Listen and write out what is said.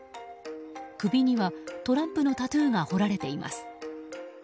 首には、トランプのタトゥーが彫られています。